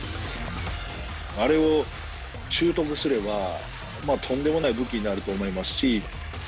あれを習得すれば、とんでもない武器になると思いますし。